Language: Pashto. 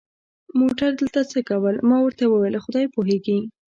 موټر دلته څه کول؟ ما ورته وویل: خدای پوهېږي.